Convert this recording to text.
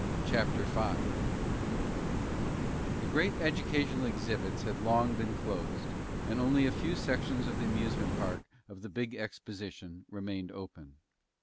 CHAPTER 5 The great educational exhibits had long been closed and only a few sections of the amusement park of the big exposition remained open.